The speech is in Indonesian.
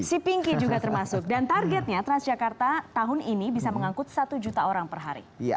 si pinky juga termasuk dan targetnya transjakarta tahun ini bisa mengangkut satu juta orang perhari